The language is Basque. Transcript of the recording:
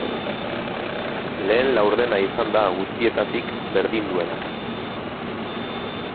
Lehen laurdena izan da guztietatik berdinduena.